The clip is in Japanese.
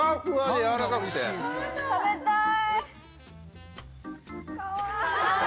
・食べたい！